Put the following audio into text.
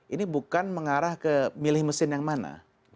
ini bukan mengarah ke milih mesin yang mana